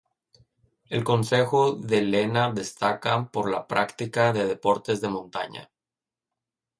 El concejo de Lena destaca por la práctica de deportes de montaña.